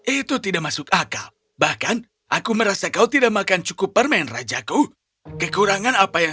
itu tidak masuk akal bahkan aku merasa kau tidak makan cukup permen rajaku kekurangan apa yang